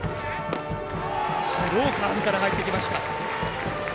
スローカーブから入ってきました。